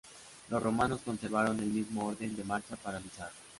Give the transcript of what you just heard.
Los romanos conservaron el mismo orden de marcha para luchar.